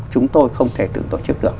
chúng tôi không thể tự tổ chức được